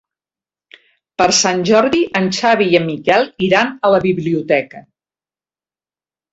Per Sant Jordi en Xavi i en Miquel iran a la biblioteca.